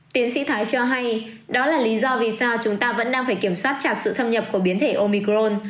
tiến sĩ thái cho hay đó là lý do vì sao chúng ta vẫn đang phải kiểm soát chặt sự thâm nhập của biến thể omicron